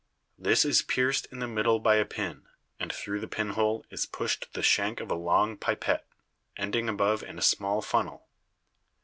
This is pierced in the middle by a pin, and through the pinhole is pushed the shank of a long pipette, ending above in a small funnel.